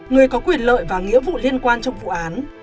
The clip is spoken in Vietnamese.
người có quyền lợi và nghĩa vụ liên quan trong vụ án